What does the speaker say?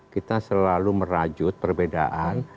kita selalu merajut perbedaan